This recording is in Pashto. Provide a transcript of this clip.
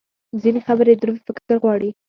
ځینې خبرې دروند فکر غواړي.